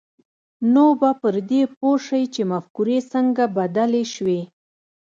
نو به پر دې پوه شئ چې مفکورې څنګه بدلې شوې